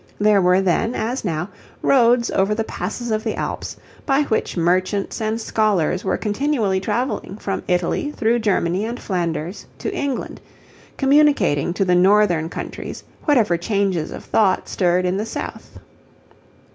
There were then, as now, roads over the passes of the Alps by which merchants and scholars were continually travelling from Italy through Germany and Flanders to England, communicating to the northern countries whatever changes of thought stirred in the south.